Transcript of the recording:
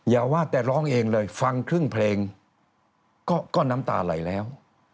อย่าว่าแต่ร้องเองเลยฟังครึ่งเพลงก็น้ำตาไหลแล้ว